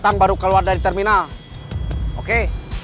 datang baru keluar dari terminal oke